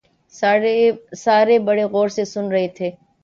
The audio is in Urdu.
سارے بڑے غور سے سن رہے تھے